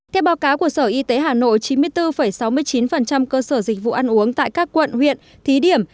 theo báo cáo của sở y tế hà nội chín mươi bốn sáu mươi chín cơ sở dịch vụ ăn uống tại các quận huyện thí điểm